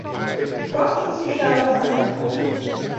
Prachtige sociale vooruitgang!